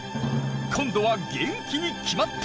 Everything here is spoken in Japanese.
今度は元気に決まった！